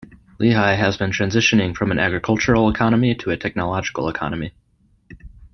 Lehi has been transitioning from an agricultural economy to a technological economy.